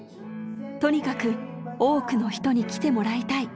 とにかく多くの人に来てもらいたい。